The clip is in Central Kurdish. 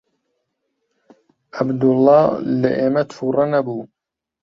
عەبدوڵڵا لە ئێمە تووڕە نەبوو.